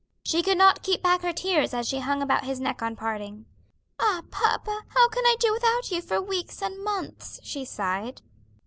She could not keep back her tears as she hung about his neck on parting. "Ah, papa, how can I do without you for weeks and months?" she sighed.